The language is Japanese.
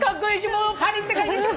もうパリって感じでしょ！